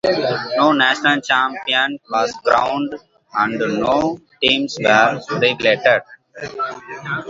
No national champion was crowned and no teams were relegated.